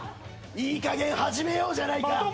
いいかげん始めようじゃないか。